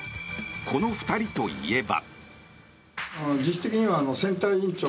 この２人といえば。